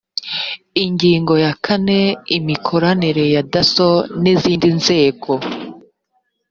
ingingo ya kane imikoranire ya dasso n izindi nzego